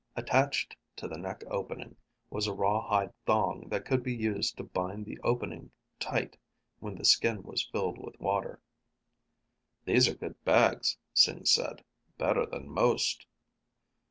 Attached to the neck opening was a rawhide thong that could be used to bind the opening tight when the skin was filled with water. "These are good bags," Sing said. "Better than most."